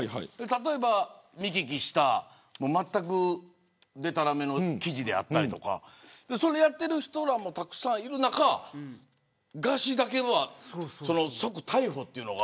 例えば、見聞きしたまったくでたらめの記事だったりそれをやっている人もたくさんいる中ガーシーだけは即逮捕というのが。